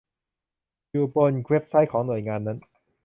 อยู่บนเว็บไซต์ของหน่วยงานนั้น